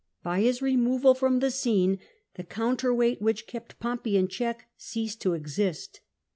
By his removal from the scene the counterweight which kept Pompey in check ceased to exist.